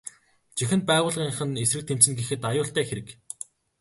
Жинхэнэ байгууллынх нь эсрэг тэмцэнэ гэхэд аюултай хэрэг.